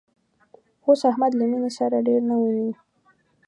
اوس احمد له مینې سره ډېر نه ویني